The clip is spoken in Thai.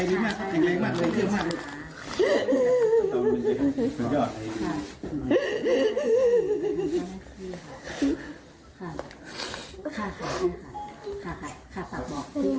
น้ำตาที่หลั่งออกมาเนี่ยคือน้ำตาของความดีใจของคุณพ่อคุณแม่นะคะ